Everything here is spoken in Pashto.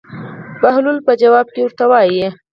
بهلول په ځواب کې ورته وایي.